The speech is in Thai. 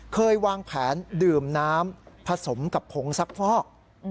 เคยวางแผนดื่มน้ำผสมกับผงซักฟอก